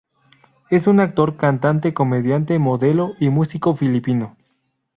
Es un actor, cantante, comediante, modelo y músico filipino.